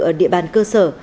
ở địa bàn cơ sở